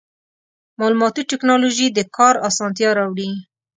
مالوماتي ټکنالوژي د کار اسانتیا راوړي.